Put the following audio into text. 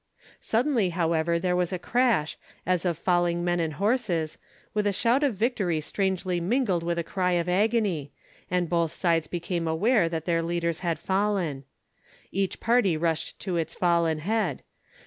Suddenly however there was a crash, as of falling men and horses, with a shout of victory strangely mingled with a cry of agony, and both sides became aware that their leaders had fallen. Each party rushed to its fallen head.